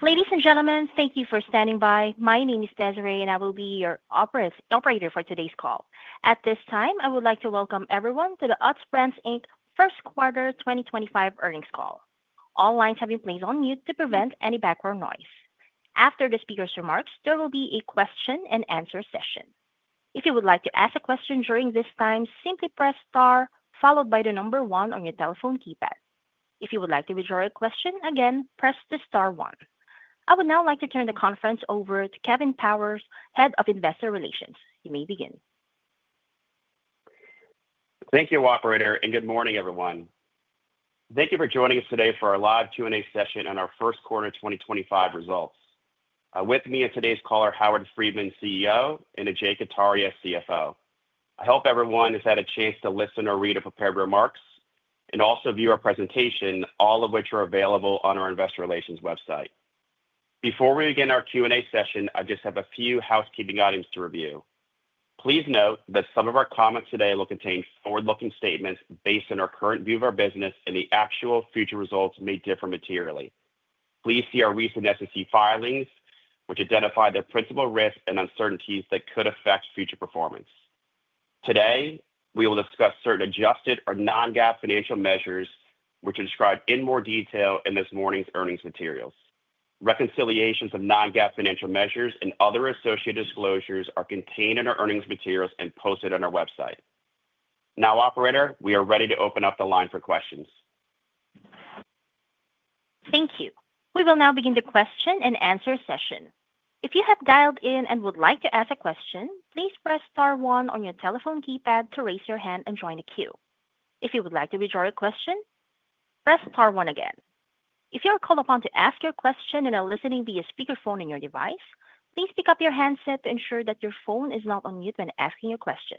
Ladies and gentlemen, thank you for standing by. My name is Desiree, and I will be your operator for today's call. At this time, I would like to welcome everyone to the Utz Brands Q1 2025 earnings call. All lines have been placed on mute to prevent any background noise. After the speaker's remarks, there will be a question-and-answer session. If you would like to ask a question during this time, simply press star, followed by the number one on your telephone keypad. If you would like to withdraw your question, again, press the star one. I would now like to turn the conference over to Kevin Powers, Head of Investor Relations. You may begin. Thank you, Operator, and good morning, everyone. Thank you for joining us today for our live Q&A session on our Q1 2025 results. With me on today's call are Howard Friedman, CEO, and Ajay Kataria, CFO. I hope everyone has had a chance to listen or read our prepared remarks and also view our presentation, all of which are available on our Investor Relations website. Before we begin our Q&A session, I just have a few housekeeping items to review. Please note that some of our comments today will contain forward-looking statements based on our current view of our business, and the actual future results may differ materially. Please see our recent SEC filings, which identify the principal risks and uncertainties that could affect future performance. Today, we will discuss certain adjusted or non-GAAP financial measures, which are described in more detail in this morning's earnings materials. Reconciliations of non-GAAP financial measures and other associated disclosures are contained in our earnings materials and posted on our website. Now, Operator, we are ready to open up the line for questions. Thank you. We will now begin the question and answer session. If you have dialed in and would like to ask a question, please press star one on your telephone keypad to raise your hand and join the queue. If you would like to withdraw your question, press star one again. If you are called upon to ask your question and are listening via speakerphone on your device, please pick up your handset to ensure that your phone is not on mute when asking your question.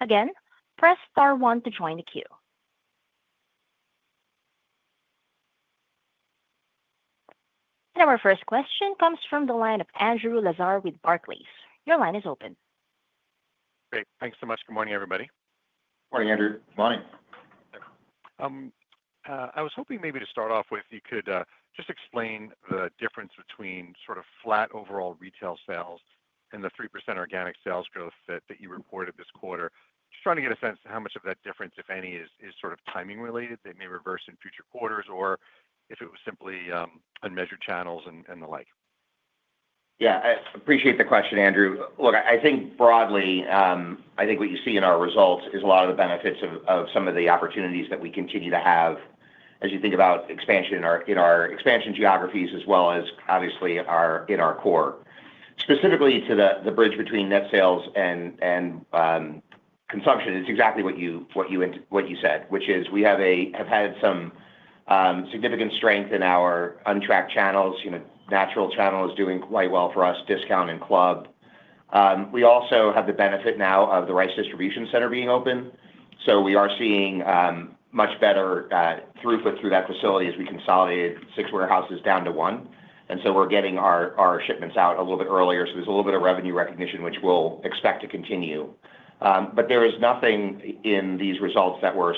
Again, press star one to join the queue. Our first question comes from the line of Andrew Lazar with Barclays. Your line is open. Great. Thanks so much. Good morning, everybody. Morning, Andrew. Good morning. I was hoping maybe to start off with, you could just explain the difference between sort of flat overall retail sales and the 3% organic sales growth that you reported this quarter. Just trying to get a sense of how much of that difference, if any, is sort of timing-related that may reverse in future quarters, or if it was simply unmeasured channels and the like. Yeah, I appreciate the question, Andrew. Look, I think broadly, I think what you see in our results is a lot of the benefits of some of the opportunities that we continue to have as you think about expansion in our expansion geographies, as well as obviously in our core. Specifically to the bridge between net sales and consumption, it's exactly what you said, which is we have had some significant strength in our untracked channels. Natural Channel is doing quite well for us, Discount and Club. We also have the benefit now of the RDC being open. We are seeing much better throughput through that facility as we consolidated six warehouses down to one. We are getting our shipments out a little bit earlier. There is a little bit of revenue recognition, which we'll expect to continue. There is nothing in these results that were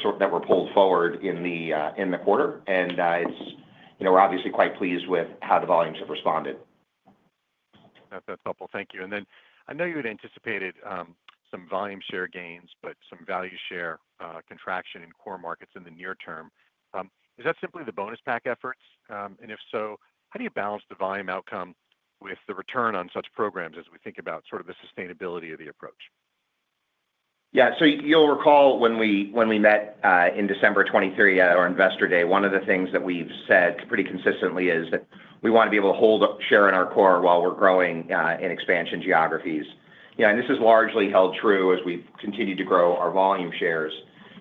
pulled forward in the quarter. We're obviously quite pleased with how the volumes have responded. That's helpful. Thank you. I know you had anticipated some volume share gains, but some value share contraction in core markets in the near term. Is that simply the bonus pack efforts? If so, how do you balance the volume outcome with the return on such programs as we think about sort of the sustainability of the approach? Yeah. You'll recall when we met in December 2023 at our Investor Day, one of the things that we've said pretty consistently is that we want to be able to hold share in our core while we're growing in expansion geographies. This has largely held true as we've continued to grow our volume shares.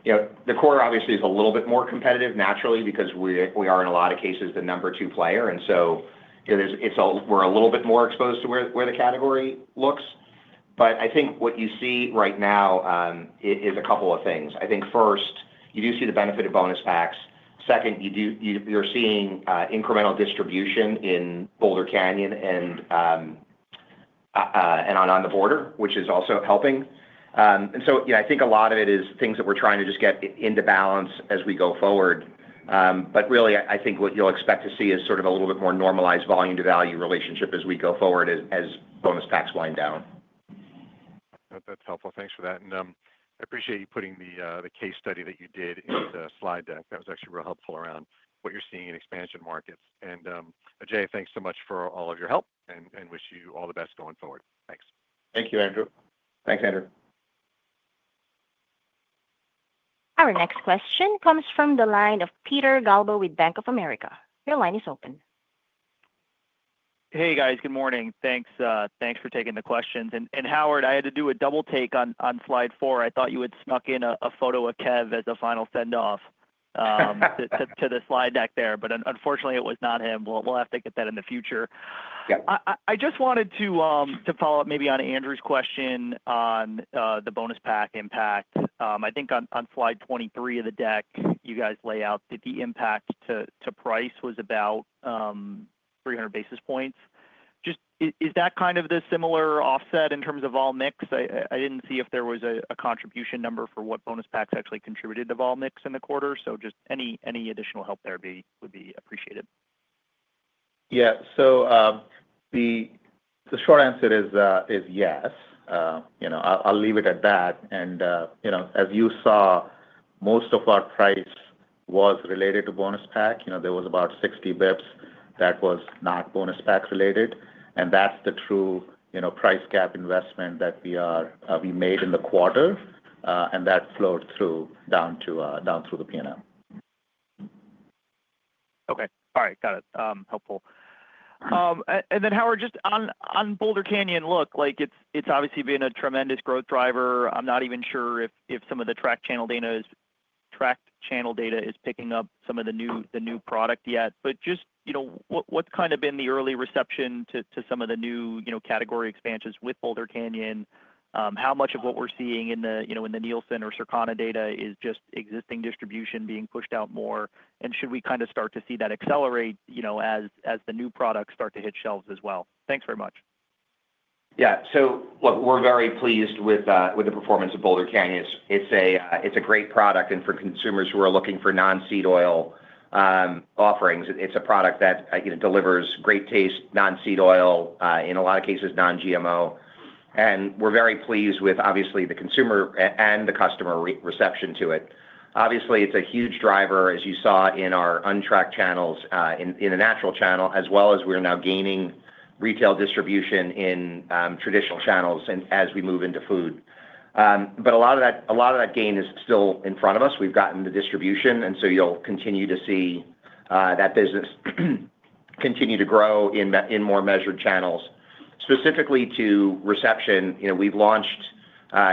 The core obviously is a little bit more competitive naturally because we are in a lot of cases the number two player. We're a little bit more exposed to where the category looks. I think what you see right now is a couple of things. I think first, you do see the benefit of bonus packs. Second, you're seeing incremental distribution in Boulder Canyon and On the Border, which is also helping. I think a lot of it is things that we're trying to just get into balance as we go forward. Really, I think what you'll expect to see is sort of a little bit more normalized volume-to-value relationship as we go forward as bonus packs wind down. That's helpful. Thanks for that. I appreciate you putting the case study that you did in the slide deck. That was actually real helpful around what you're seeing in expansion markets. Ajay, thanks so much for all of your help and wish you all the best going forward. Thanks. Thank you, Andrew. Thanks, Andrew. Our next question comes from the line of Peter Galbo with Bank of America. Your line is open. Hey, guys. Good morning. Thanks for taking the questions. Howard, I had to do a double take on slide four. I thought you had snuck in a photo of Kev as a final send-off to the slide deck there, but unfortunately, it was not him. We'll have to get that in the future. I just wanted to follow up maybe on Andrew's question on the bonus pack impact. I think on slide 23 of the deck, you guys lay out that the impact to price was about 300 basis points. Is that kind of the similar offset in terms of all mix? I didn't see if there was a contribution number for what bonus packs actually contributed to all mix in the quarter. Just any additional help there would be appreciated. Yeah. The short answer is yes. I'll leave it at that. As you saw, most of our price was related to bonus pack. There was about 60 basis points that was not bonus pack related. That is the true price gap investment that we made in the quarter, and that flowed through down to the P&L. Okay. All right. Got it. Helpful. Howard, just on Boulder Canyon, look, it's obviously been a tremendous growth driver. I'm not even sure if some of the track channel data is picking up some of the new product yet. What's kind of been the early reception to some of the new category expansions with Boulder Canyon? How much of what we're seeing in the Nielsen or Circana data is just existing distribution being pushed out more? Should we kind of start to see that accelerate as the new products start to hit shelves as well? Thanks very much. Yeah. Look, we're very pleased with the performance of Boulder Canyon. It's a great product. For consumers who are looking for non-seed oil offerings, it's a product that delivers great taste, non-seed oil, in a lot of cases, non-GMO. We're very pleased with, obviously, the consumer and the customer reception to it. Obviously, it's a huge driver, as you saw in our untracked channels in the natural channel, as well as we're now gaining retail distribution in traditional channels as we move into food. A lot of that gain is still in front of us. We've gotten the distribution, and you'll continue to see that business continue to grow in more measured channels. Specifically to reception, we've launched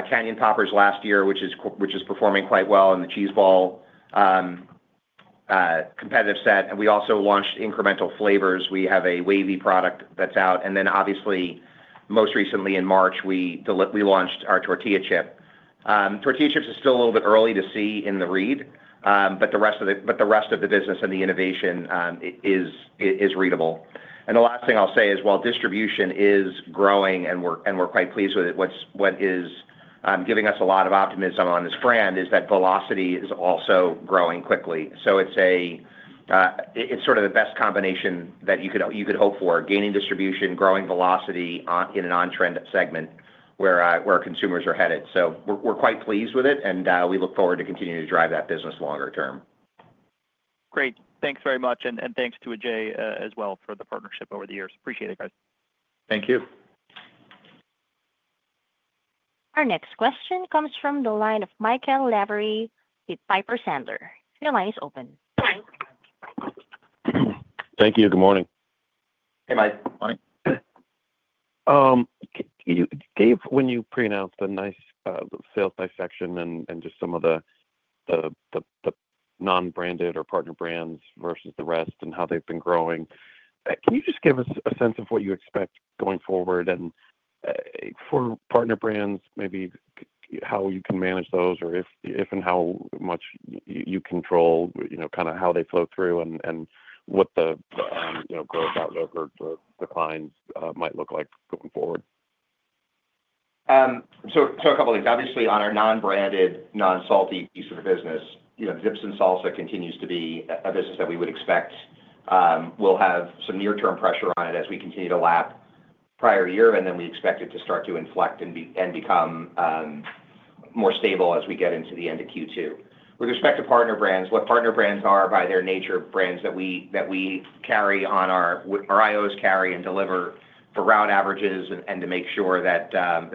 Canyon Poppers last year, which is performing quite well in the cheese ball competitive set. We also launched incremental flavors. We have a wavy product that's out. Obviously, most recently in March, we launched our tortilla chip. Tortilla chips is still a little bit early to see in the read, but the rest of the business and the innovation is readable. The last thing I'll say is, while distribution is growing and we're quite pleased with it, what is giving us a lot of optimism on this brand is that velocity is also growing quickly. It's sort of the best combination that you could hope for: gaining distribution, growing velocity in an on-trend segment where consumers are headed. We're quite pleased with it, and we look forward to continuing to drive that business longer term. Great. Thanks very much. Thanks to Ajay as well for the partnership over the years. Appreciate it, guys. Thank you. Our next question comes from the line of Michael Lavery with Piper Sandler. Your line is open. Thank you. Good morning. Hey, Mike. Morning. When you pre-announced the nice sales dissection and just some of the non-branded or partner brands versus the rest and how they've been growing, can you just give us a sense of what you expect going forward? For partner brands, maybe how you can manage those or if and how much you control kind of how they flow through and what the growth outlook or declines might look like going forward? A couple of things. Obviously, on our non-branded, non-salty piece of the business, Dips and Salsa continues to be a business that we would expect will have some near-term pressure on it as we continue to lap prior year, and then we expect it to start to inflect and become more stable as we get into the end of Q2. With respect to partner brands, what partner brands are by their nature are brands that we carry on our IOs carry and deliver for route averages and to make sure that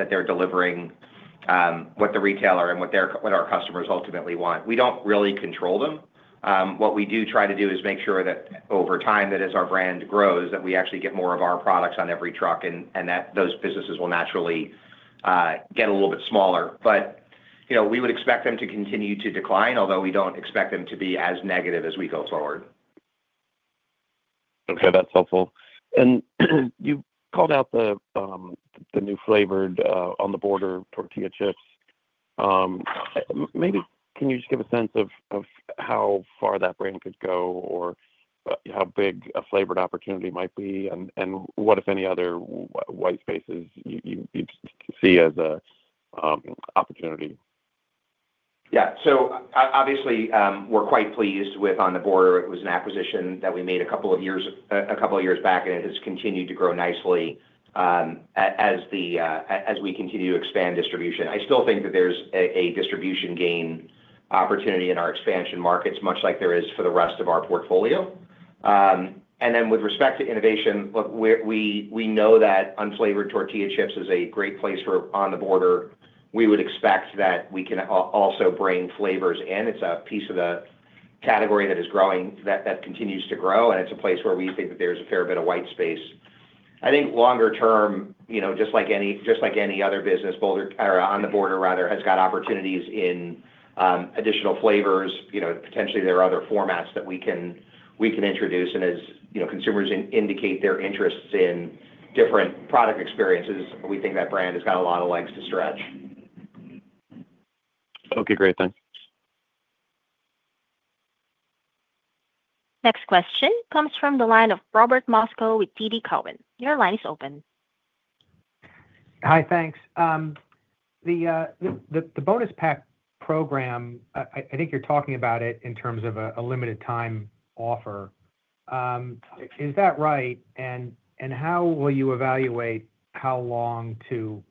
they're delivering what the retailer and what our customers ultimately want. We do not really control them. What we do try to do is make sure that over time that as our brand grows, that we actually get more of our products on every truck and that those businesses will naturally get a little bit smaller. We would expect them to continue to decline, although we do not expect them to be as negative as we go forward. Okay. That's helpful. You called out the new flavored On the Border tortilla chips. Maybe can you just give a sense of how far that brand could go or how big a flavored opportunity might be and what, if any, other white spaces you see as an opportunity? Yeah. Obviously, we're quite pleased with On the Border. It was an acquisition that we made a couple of years back, and it has continued to grow nicely as we continue to expand distribution. I still think that there's a distribution gain opportunity in our expansion markets, much like there is for the rest of our portfolio. With respect to innovation, look, we know that unflavored tortilla chips is a great place for On the Border. We would expect that we can also bring flavors in. It's a piece of the category that continues to grow, and it's a place where we think that there's a fair bit of white space. I think longer term, just like any other business, Boulder or On the Border, rather, has got opportunities in additional flavors. Potentially, there are other formats that we can introduce. As consumers indicate their interests in different product experiences, we think that brand has got a lot of legs to stretch. Okay. Great. Thanks. Next question comes from the line of Robert Moskow with TD Cowen. Your line is open. Hi, thanks. The bonus pack program, I think you're talking about it in terms of a limited-time offer. Is that right? How will you evaluate how long to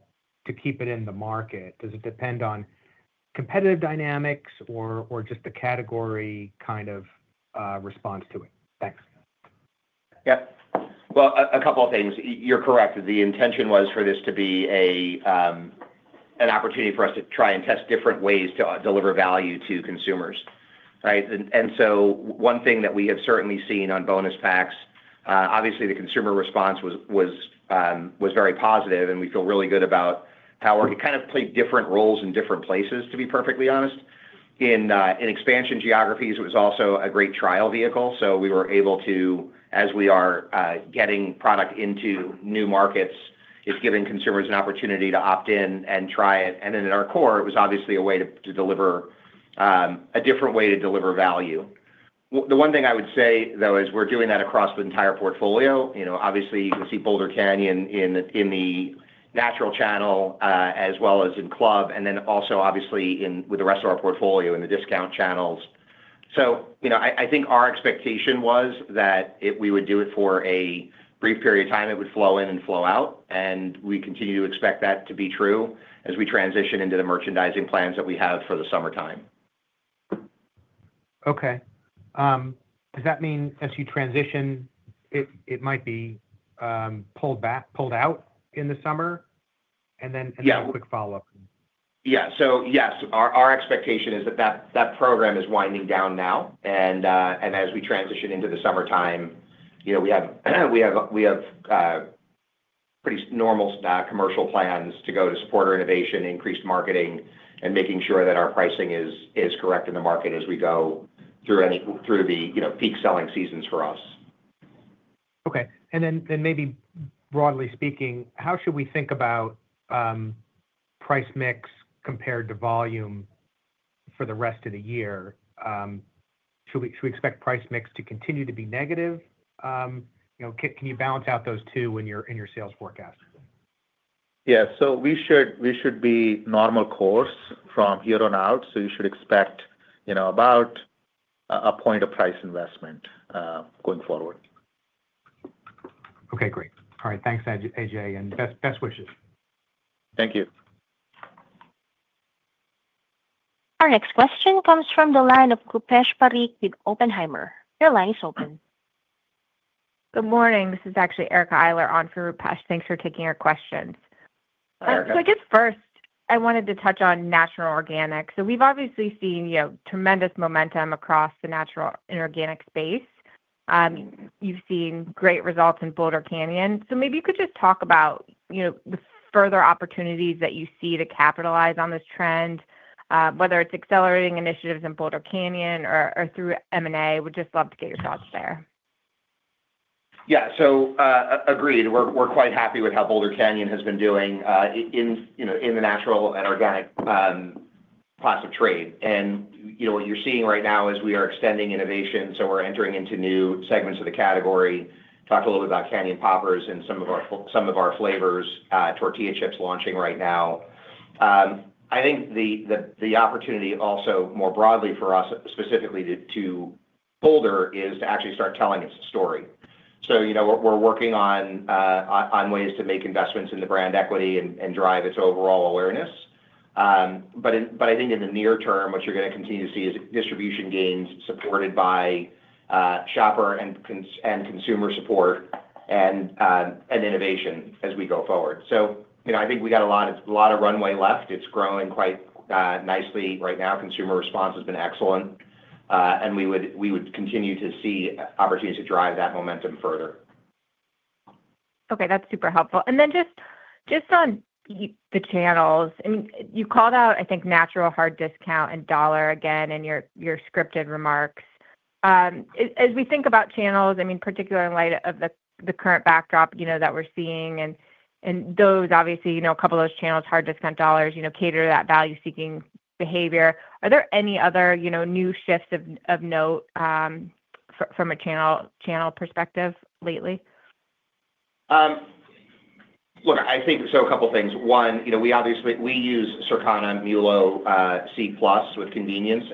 keep it in the market? Does it depend on competitive dynamics or just the category kind of response to it? Thanks. Yep. A couple of things. You're correct. The intention was for this to be an opportunity for us to try and test different ways to deliver value to consumers, right? One thing that we have certainly seen on bonus packs, obviously, the consumer response was very positive, and we feel really good about how it kind of played different roles in different places, to be perfectly honest. In expansion geographies, it was also a great trial vehicle. We were able to, as we are getting product into new markets, it's given consumers an opportunity to opt in and try it. In our core, it was obviously a way to deliver a different way to deliver value. The one thing I would say, though, is we're doing that across the entire portfolio. Obviously, you can see Boulder Canyon in the natural channel as well as in club, and then also, obviously, with the rest of our portfolio in the discount channels. I think our expectation was that if we would do it for a brief period of time, it would flow in and flow out. We continue to expect that to be true as we transition into the merchandising plans that we have for the summertime. Okay. Does that mean as you transition, it might be pulled out in the summer and then a quick follow-up? Yes. Our expectation is that that program is winding down now. As we transition into the summertime, we have pretty normal commercial plans to go to support our innovation, increased marketing, and making sure that our pricing is correct in the market as we go through the peak selling seasons for us. Okay. Maybe broadly speaking, how should we think about price mix compared to volume for the rest of the year? Should we expect price mix to continue to be negative? Can you balance out those two in your sales forecast? Yeah. We should be normal course from here on out. You should expect about a point of price investment going forward. Okay. Great. All right. Thanks, Ajay. And best wishes. Thank you. Our next question comes from the line of Rupesh Parikh with Oppenheimer. Your line is open. Good morning. This is actually Erica Eyler on for Rupesh. Thanks for taking our questions. Erica. I guess first, I wanted to touch on natural organic. We've obviously seen tremendous momentum across the natural and organic space. You've seen great results in Boulder Canyon. Maybe you could just talk about the further opportunities that you see to capitalize on this trend, whether it's accelerating initiatives in Boulder Canyon or through M&A. We'd just love to get your thoughts there. Yeah. Agreed. We're quite happy with how Boulder Canyon has been doing in the natural and organic class of trade. What you're seeing right now is we are extending innovation. We're entering into new segments of the category. Talked a little bit about Canyon Poppers and some of our flavors, tortilla chips launching right now. I think the opportunity also more broadly for us, specifically to Boulder, is to actually start telling its story. We're working on ways to make investments in the brand equity and drive its overall awareness. I think in the near term, what you're going to continue to see is distribution gains supported by shopper and consumer support and innovation as we go forward. I think we got a lot of runway left. It's growing quite nicely right now. Consumer response has been excellent. We would continue to see opportunities to drive that momentum further. Okay. That's super helpful. Then just on the channels, I mean, you called out, I think, natural, hard discount, and dollar again in your scripted remarks. As we think about channels, I mean, particularly in light of the current backdrop that we're seeing, and those, obviously, a couple of those channels, hard discount, dollar, cater to that value-seeking behavior. Are there any other new shifts of note from a channel perspective lately? Look, I think so a couple of things. One, we use Circana, MULO, C-Plus with convenience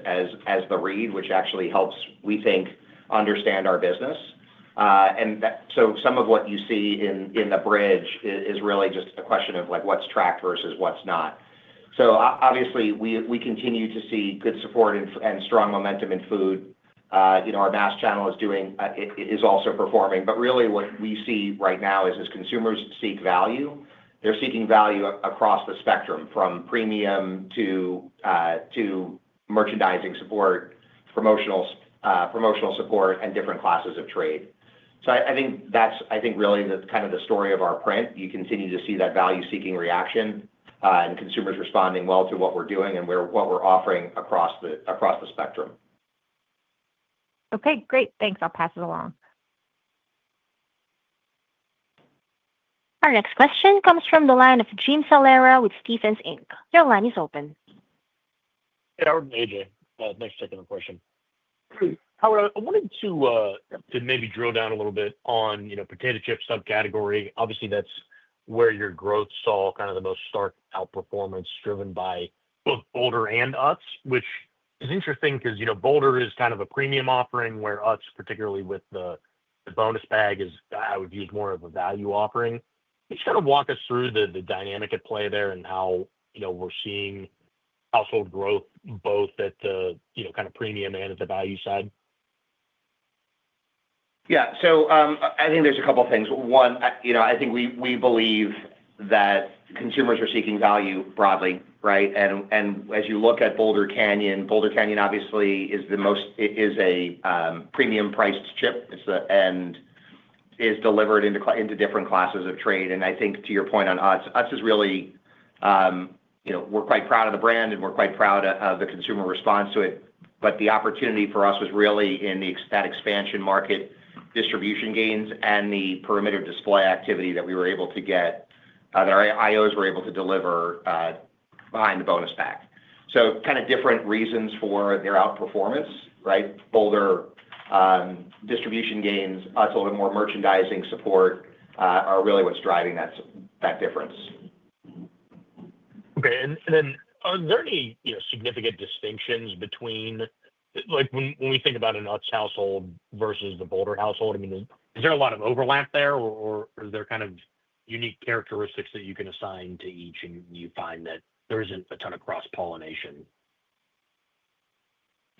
as the read, which actually helps, we think, understand our business. Some of what you see in the bridge is really just a question of what's tracked versus what's not. Obviously, we continue to see good support and strong momentum in food. Our mass channel is also performing. What we see right now is consumers seek value. They're seeking value across the spectrum from premium to merchandising support, promotional support, and different classes of trade. I think that's, I think, really the kind of the story of our print. You continue to see that value-seeking reaction and consumers responding well to what we're doing and what we're offering across the spectrum. Okay. Great. Thanks. I'll pass it along. Our next question comes from the line of Jim Salera with Stephens Inc. Your line is open. Hey, Ajay. Thanks for taking the question. Howard, I wanted to maybe drill down a little bit on potato chip subcategory. Obviously, that's where your growth saw kind of the most stark outperformance driven by both Boulder and Utz, which is interesting because Boulder is kind of a premium offering where Utz, particularly with the bonus pack, is, I would use, more of a value offering. Can you just kind of walk us through the dynamic at play there and how we're seeing household growth both at the kind of premium and at the value side? Yeah. I think there's a couple of things. One, I think we believe that consumers are seeking value broadly, right? As you look at Boulder Canyon, Boulder Canyon obviously is the most—it is a premium-priced chip. It is delivered into different classes of trade. I think, to your point on Utz, Utz is really—we're quite proud of the brand, and we're quite proud of the consumer response to it. The opportunity for us was really in that expansion market, distribution gains, and the perimeter display activity that we were able to get, that our IOs were able to deliver behind the bonus pack. Kind of different reasons for their outperformance, right? Boulder, distribution gains; Utz, a little bit more merchandising support are really what's driving that difference. Okay. Are there any significant distinctions between when we think about an Utz household versus the Boulder household? I mean, is there a lot of overlap there, or are there kind of unique characteristics that you can assign to each, and you find that there is not a ton of cross-pollination?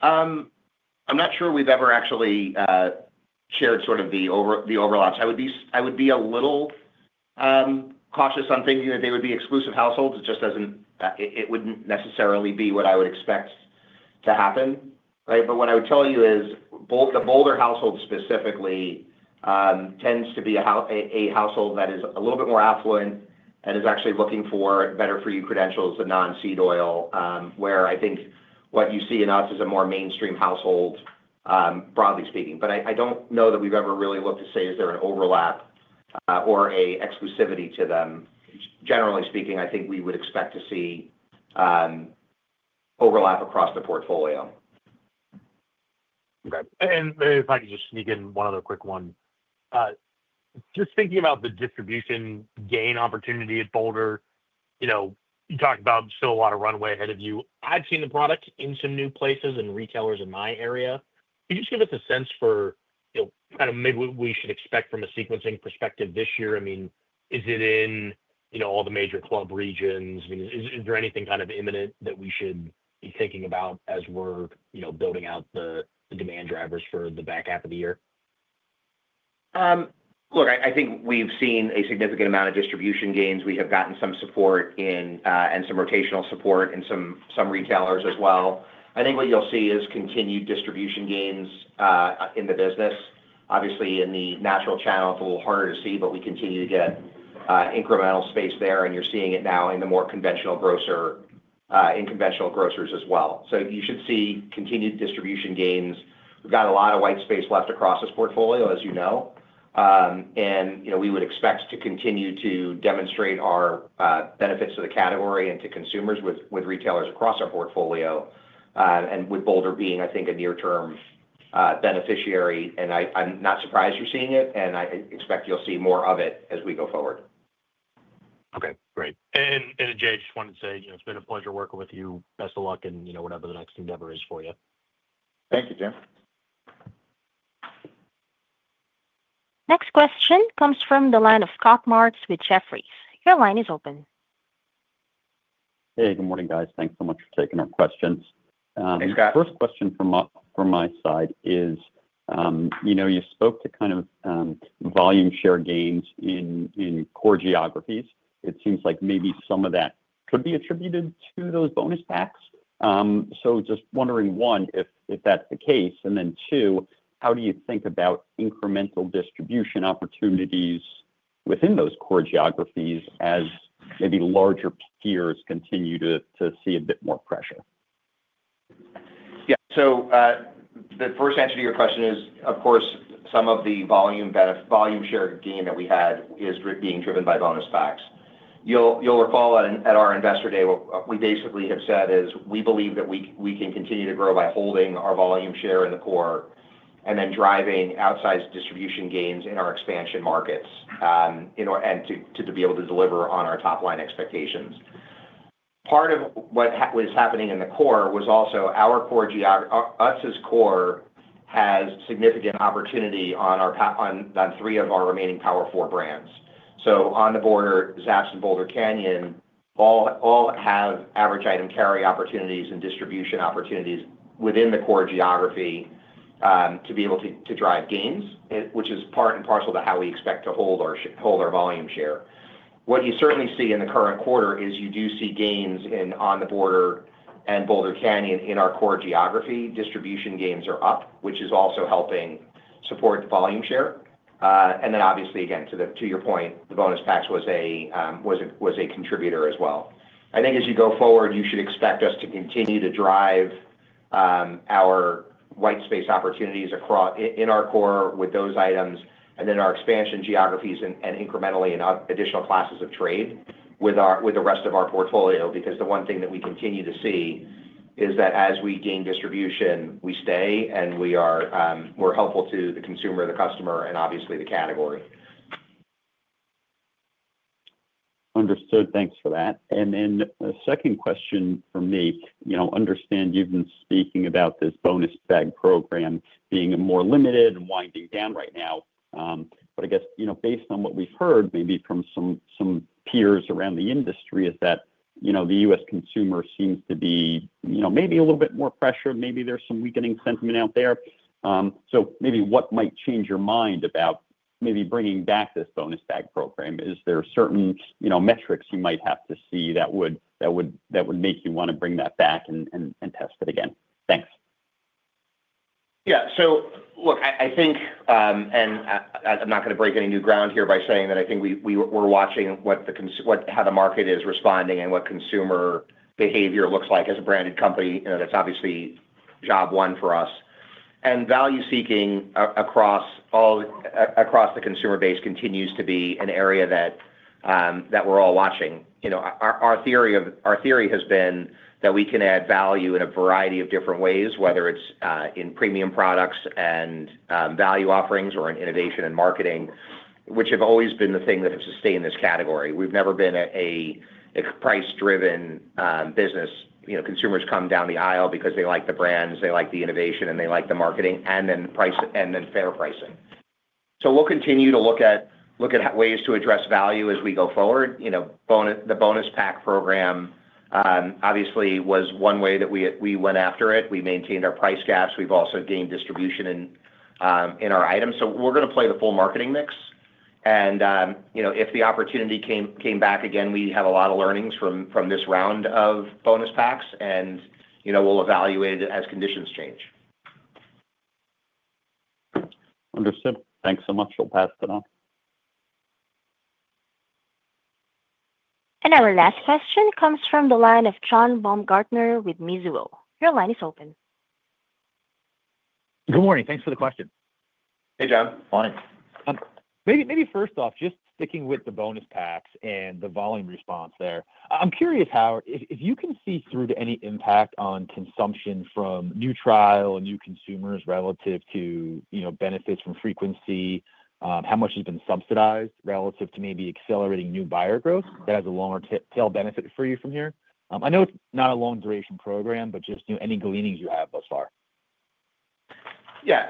I'm not sure we've ever actually shared sort of the overlaps. I would be a little cautious on thinking that they would be exclusive households. It just doesn't, it wouldn't necessarily be what I would expect to happen, right? What I would tell you is the Boulder household specifically tends to be a household that is a little bit more affluent and is actually looking for better-for-you credentials than non-seed oil, where I think what you see in Utz is a more mainstream household, broadly speaking. I don't know that we've ever really looked to say, is there an overlap or an exclusivity to them? Generally speaking, I think we would expect to see overlap across the portfolio. Okay. If I could just sneak in one other quick one. Just thinking about the distribution gain opportunity at Boulder, you talked about still a lot of runway ahead of you. I've seen the product in some new places and retailers in my area. Could you just give us a sense for kind of maybe what we should expect from a sequencing perspective this year? I mean, is it in all the major club regions? I mean, is there anything kind of imminent that we should be thinking about as we're building out the demand drivers for the back half of the year? Look, I think we've seen a significant amount of distribution gains. We have gotten some support and some rotational support and some retailers as well. I think what you'll see is continued distribution gains in the business. Obviously, in the natural channel, it's a little harder to see, but we continue to get incremental space there. You're seeing it now in the more conventional grocers as well. You should see continued distribution gains. We've got a lot of white space left across this portfolio, as you know. We would expect to continue to demonstrate our benefits to the category and to consumers with retailers across our portfolio, with Boulder being, I think, a near-term beneficiary. I'm not surprised you're seeing it. I expect you'll see more of it as we go forward. Okay. Great. Ajay, I just wanted to say it's been a pleasure working with you. Best of luck in whatever the next endeavor is for you. Thank you, Jim. Next question comes from the line of Scott Marks with Jefferies. Your line is open. Hey, good morning, guys. Thanks so much for taking our questions. Hey, Scott. First question from my side is you spoke to kind of volume share gains in core geographies. It seems like maybe some of that could be attributed to those bonus packs. Just wondering, one, if that's the case, and then two, how do you think about incremental distribution opportunities within those core geographies as maybe larger peers continue to see a bit more pressure? Yeah. The first answer to your question is, of course, some of the volume share gain that we had is being driven by bonus packs. You'll recall at our investor day, what we basically have said is we believe that we can continue to grow by holding our volume share in the core and then driving outsized distribution gains in our expansion markets and to be able to deliver on our top-line expectations. Part of what was happening in the core was also our core ex-Utz core has significant opportunity on three of our remaining powerful brands. On the Border, Zapp's, and Boulder Canyon all have average item carry opportunities and distribution opportunities within the core geography to be able to drive gains, which is part and parcel to how we expect to hold our volume share. What you certainly see in the current quarter is you do see gains on On the Border and Boulder Canyon in our core geography. Distribution gains are up, which is also helping support volume share. Obviously, again, to your point, the bonus packs was a contributor as well. I think as you go forward, you should expect us to continue to drive our white space opportunities in our core with those items and then our expansion geographies and incrementally in additional classes of trade with the rest of our portfolio because the one thing that we continue to see is that as we gain distribution, we stay and we're helpful to the consumer, the customer, and obviously the category. Understood. Thanks for that. Then a second question for me. Understand you've been speaking about this bonus pack program being more limited and winding down right now. I guess based on what we've heard maybe from some peers around the industry is that the U.S. consumer seems to be maybe a little bit more pressured. Maybe there's some weakening sentiment out there. What might change your mind about maybe bringing back this bonus pack program? Is there certain metrics you might have to see that would make you want to bring that back and test it again? Thanks. Yeah. Look, I think, and I'm not going to break any new ground here by saying that I think we're watching how the market is responding and what consumer behavior looks like as a branded company. That's obviously job one for us. Value-seeking across the consumer base continues to be an area that we're all watching. Our theory has been that we can add value in a variety of different ways, whether it's in premium products and value offerings or in innovation and marketing, which have always been the thing that have sustained this category. We've never been a price-driven business. Consumers come down the aisle because they like the brands, they like the innovation, and they like the marketing, and then fair pricing. We'll continue to look at ways to address value as we go forward. The bonus pack program, obviously, was one way that we went after it. We maintained our price gaps. We have also gained distribution in our items. We are going to play the full marketing mix. If the opportunity came back again, we have a lot of learnings from this round of bonus packs, and we will evaluate it as conditions change. Understood. Thanks so much. I'll pass it on. Our last question comes from the line of John Baumgartner with Mizuho. Your line is open. Good morning. Thanks for the question. Hey, John. Fine. Maybe first off, just sticking with the bonus packs and the volume response there, I'm curious how if you can see through to any impact on consumption from new trial and new consumers relative to benefits from frequency, how much has been subsidized relative to maybe accelerating new buyer growth? That has a longer-tail benefit for you from here. I know it's not a long-duration program, but just any gleanings you have thus far. Yeah.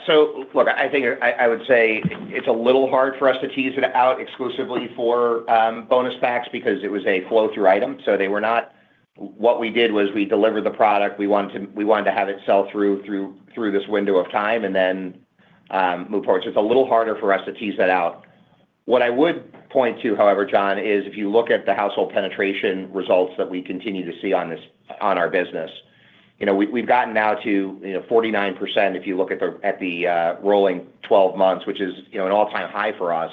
Look, I think I would say it's a little hard for us to tease it out exclusively for bonus packs because it was a flow-through item. They were not what we did was we delivered the product. We wanted to have it sell through this window of time and then move forward. It's a little harder for us to tease that out. What I would point to, however, John, is if you look at the household penetration results that we continue to see on our business, we've gotten now to 49% if you look at the rolling 12 months, which is an all-time high for us.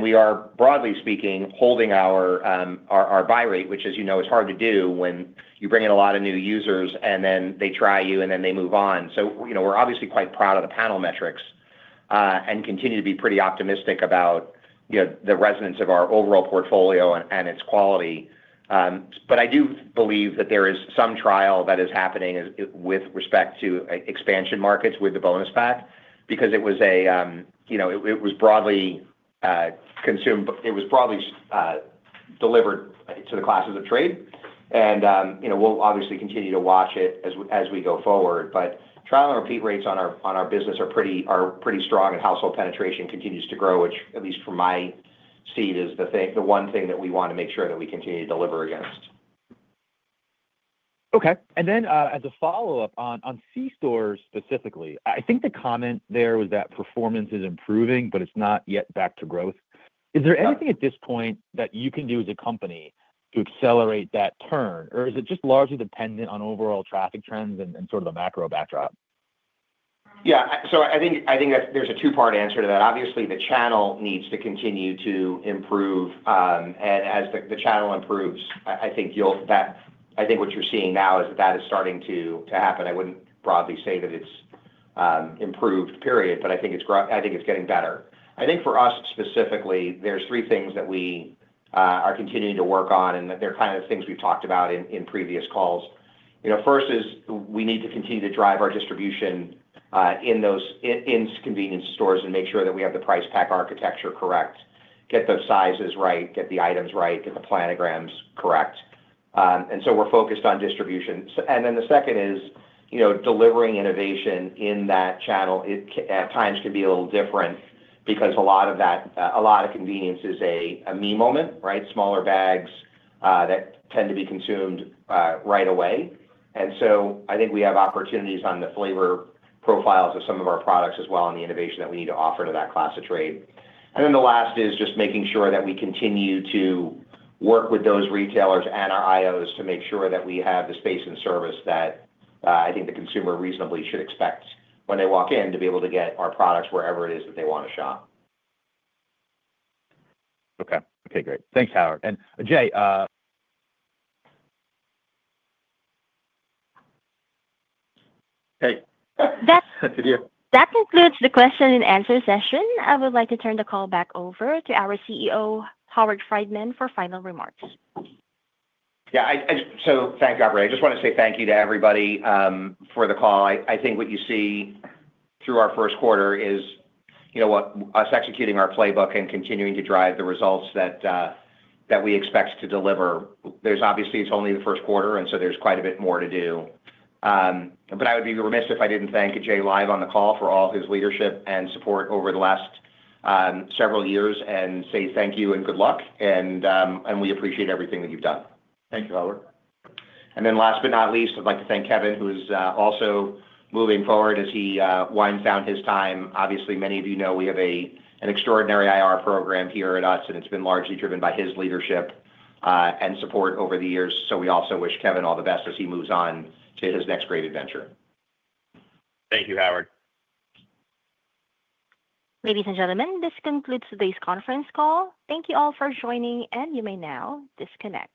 We are, broadly speaking, holding our buy rate, which, as you know, is hard to do when you bring in a lot of new users and then they try you and then they move on. We're obviously quite proud of the panel metrics and continue to be pretty optimistic about the resonance of our overall portfolio and its quality. I do believe that there is some trial that is happening with respect to expansion markets with the bonus pack because it was broadly consumed. It was broadly delivered to the classes of trade. We'll obviously continue to watch it as we go forward. Trial and repeat rates on our business are pretty strong, and household penetration continues to grow, which, at least from my seat, is the one thing that we want to make sure that we continue to deliver against. Okay. As a follow-up on C-stores specifically, I think the comment there was that performance is improving, but it's not yet back to growth. Is there anything at this point that you can do as a company to accelerate that turn, or is it just largely dependent on overall traffic trends and sort of the macro backdrop? Yeah. I think there's a two-part answer to that. Obviously, the channel needs to continue to improve. As the channel improves, I think what you're seeing now is that that is starting to happen. I wouldn't broadly say that it's improved, period. I think it's getting better. I think for us specifically, there are three things that we are continuing to work on, and they're kind of things we've talked about in previous calls. First is we need to continue to drive our distribution in convenience stores and make sure that we have the price pack architecture correct, get the sizes right, get the items right, get the planograms correct. We're focused on distribution. The second is delivering innovation in that channel. At times, it can be a little different because a lot of that, a lot of convenience is a me moment, right? Smaller bags that tend to be consumed right away. I think we have opportunities on the flavor profiles of some of our products as well and the innovation that we need to offer to that class of trade. The last is just making sure that we continue to work with those retailers and our IOs to make sure that we have the space and service that I think the consumer reasonably should expect when they walk in to be able to get our products wherever it is that they want to shop. Okay. Okay. Great. Thanks, Howard. And Ajay. Hey. That's a deal. That concludes the question-and-answer session. I would like to turn the call back over to our CEO, Howard Friedman, for final remarks. Yeah. Thanks, Desiree. I just want to say thank you to everybody for the call. I think what you see through our Q1 is, you know, us executing our playbook and continuing to drive the results that we expect to deliver. Obviously, it's only the Q1, and so there's quite a bit more to do. I would be remiss if I didn't thank Ajay live on the call for all his leadership and support over the last several years and say thank you and good luck. We appreciate everything that you've done. Thank you, Howard. Last but not least, I'd like to thank Kevin, who is also moving forward as he winds down his time. Obviously, many of you know we have an extraordinary IR program here at Utz, and it's been largely driven by his leadership and support over the years. We also wish Kevin all the best as he moves on to his next great adventure. Thank you, Howard. Ladies and gentlemen, this concludes today's conference call. Thank you all for joining, and you may now disconnect.